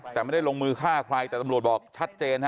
แต่ไม่ได้ลงมือฆ่าใครแต่ตำรวจบอกชัดเจนฮะ